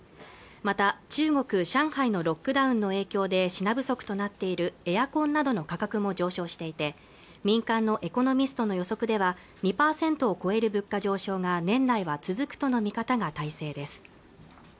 また中国上海のロックダウンの影響で品不足となっているエアコンなどの価格も上昇していて民間のエコノミストの予測では２％を超える物価上昇が年内は続くとの見方が大勢です